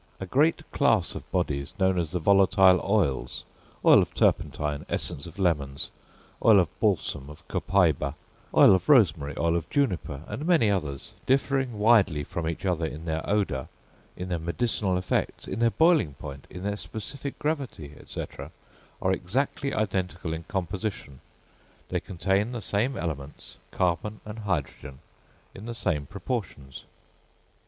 A great class of bodies, known as the volatile oils, oil of turpentine, essence of lemons, oil of balsam of copaiba, oil of rosemary, oil of juniper, and many others, differing widely from each other in their odour, in their medicinal effects, in their boiling point, in their specific gravity, &c., are exactly identical in composition, they contain the same elements, carbon and hydrogen, in the same proportions.